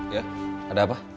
ya ada apa